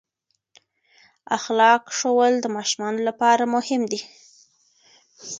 اخلاق ښوول د ماشومانو لپاره مهم دي.